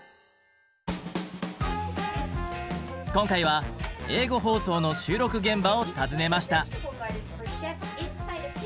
今回は英語放送の収録現場を訪ねました。